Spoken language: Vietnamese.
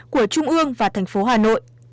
của trung ương và tp hà nội